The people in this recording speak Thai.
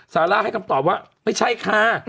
ซาร่าให้คำตอบว่าไม่ใช่ค่ะ